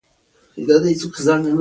له خپلو پرونیو سنګروالو رابېل شوي.